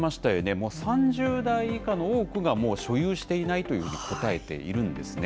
もう３０代以下の多くがもう所有していないというふうに答えているんですね。